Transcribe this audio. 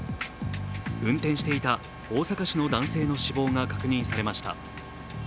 運転していた大阪市の男性の死亡が確認されました。